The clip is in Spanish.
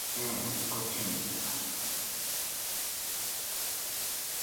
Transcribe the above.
El contrato de reaseguro puede adoptar diversas modalidades.